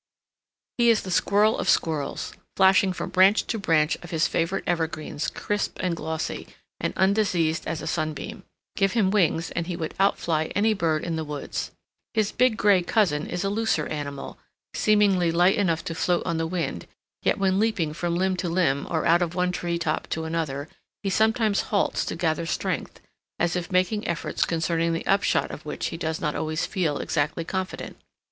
He is the squirrel of squirrels, flashing from branch to branch of his favorite evergreens crisp and glossy and undiseased as a sunbeam. Give him wings and he would outfly any bird in the woods. His big gray cousin is a looser animal, seemingly light enough to float on the wind; yet when leaping from limb to limb, or out of one tree top to another, he sometimes halts to gather strength, as if making efforts concerning the upshot of which he does not always feel exactly confident.